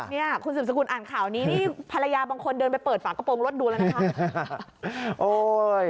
เนี่ยคุณสืบสกุลอ่านข่าวนี้นี่ภรรยาบางคนเดินไปเปิดฝากระโปรงรถดูแล้วนะคะ